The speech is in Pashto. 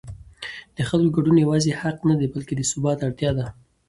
د خلکو ګډون یوازې حق نه دی بلکې د ثبات اړتیا ده